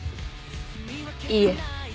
いいえ。